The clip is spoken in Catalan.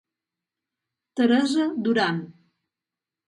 Teresa Duran.